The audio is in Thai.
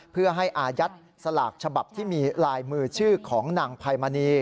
เพื่อให้อายัดสลากฉบับที่มีลายมือชื่อของนางไพมณี